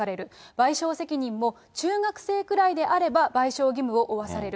賠償責任も、中学生くらいであれば賠償義務を負わされる。